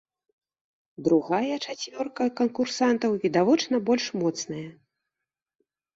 Другая чацвёрка канкурсантаў, відавочна, больш моцная.